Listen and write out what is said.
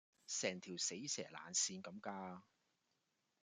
成條死蛇爛鱔咁㗎